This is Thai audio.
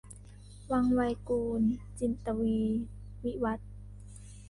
วังไวกูณฑ์ - จินตวีร์ วิวัธน์